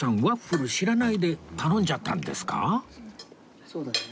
ワッフル知らないで頼んじゃったんですか？